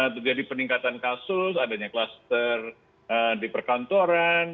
terjadi peningkatan kasus adanya kluster di perkantoran